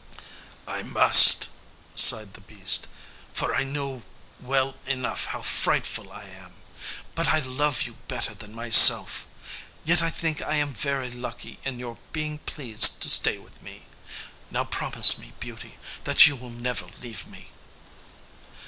"I must," sighed the beast, "for I know well enough how frightful I am; but I love you better than myself. Yet I think I am very lucky in your being pleased to stay with me; now promise me, Beauty, that you will never leave me."